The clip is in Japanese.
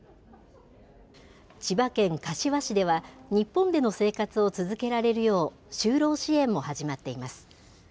千葉県柏市では、日本での生活を続けられるよう、就労支援も始まっています。